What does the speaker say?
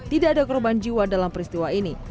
tidak ada korban jiwa dalam peristiwa ini